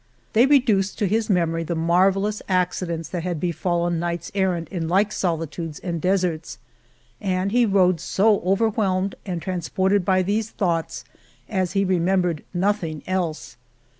They reduced to his memory the marvellous accidents that had befalne Knights Errant in like solitudes and desarts: and he rode so overwhelmed and transported by these thoughts, as he remembred nothing else.